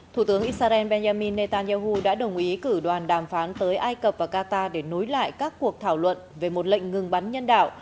thủ tướng israel benjamin netanyahu đã đồng ý cử đoàn đàm phán tới ai cập và qatar để nối lại các cuộc thảo luận về một lệnh ngừng bắn nhân đạo